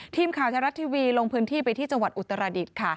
ทีมข่าวไทยรัฐทีวีลงพื้นที่ไปที่จังหวัดอุตรดิษฐ์ค่ะ